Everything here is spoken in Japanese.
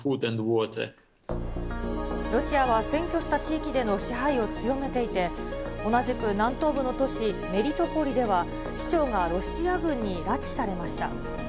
ロシアは占拠した地域での支配を強めていて、同じく南東部の都市メリトポリでは、市長がロシア軍に拉致されました。